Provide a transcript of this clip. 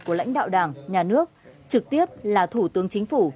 của lãnh đạo đảng nhà nước trực tiếp là thủ tướng chính phủ